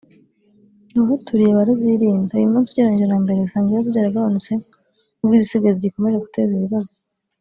abahaturiye barazirinda…Uyu munsi ugereranyije na mbere usanga ibibazo byaragabanutse nubwo izisigaye zigikomeje guteza ibibazo